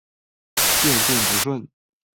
渐渐不顺